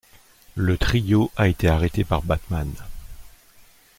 Le Trio a été arrêté par Batman.